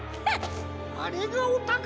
あれがおたからか。